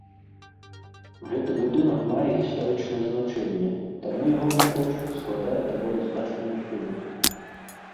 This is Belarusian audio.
Гэты будынак мае гістарычнае значэнне, таму ягоны кошт складае даволі значную суму.